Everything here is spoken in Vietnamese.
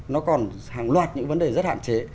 nó còn hàng loạt những vấn đề rất hạn chế